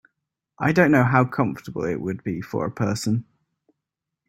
I don’t know how comfortable it would be for a person.